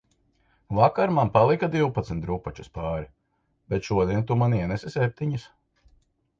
Vakar man palika divpadsmit drupačas pāri, bet šodien tu man ienesi septiņas